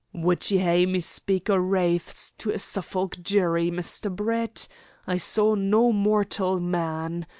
"Would ye hae me speak o' wraiths to a Suffolk jury, Mr. Brett? I saw no mortal man.